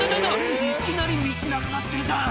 いきなり道なくなってるじゃん！」